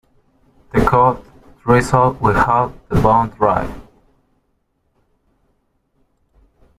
The cold drizzle will halt the bond drive.